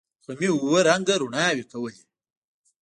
غمي اوه رنگه رڼاوې کولې.